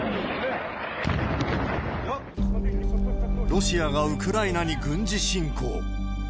ロシアがウクライナに軍事侵攻。